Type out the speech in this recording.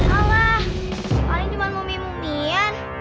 alah paling cuma mumi mumian